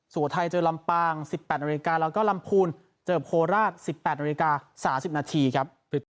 สวทัยเจอลำปาง๑๘นแล้วก็ลำพูนเจอโพราต๑๘น๓๐นครับ